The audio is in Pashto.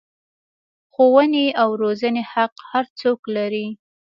ښوونې او روزنې حق هر څوک لري.